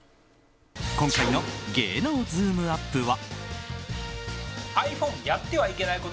今回の芸能ズームＵＰ！は。